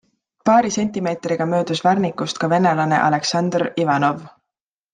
Paari sentimeetriga möödus Värnikust ka venelane Aleksandr Ivanov.